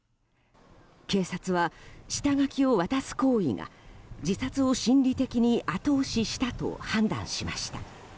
警察は、下書きを渡す行為が自殺を心理的に後押ししたと判断しました。